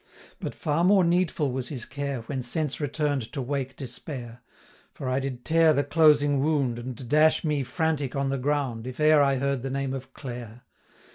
But far more needful was his care, When sense return'd to wake despair; 185 For I did tear the closing wound, And dash me frantic on the ground, If e'er I heard the name of Clare.